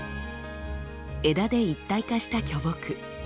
枝で一体化した巨木。